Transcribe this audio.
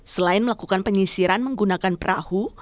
selain melakukan penyisiran menggunakan perahu